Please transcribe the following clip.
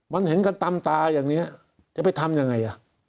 มันเห็นกันตามตาอย่างนี้จะไปทำยังไง